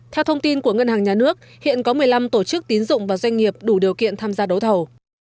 theo thông tin của ngân hàng nhà nước hiện có một mươi năm tổ chức tín dụng và doanh nghiệp đủ điều kiện tham gia đấu thầu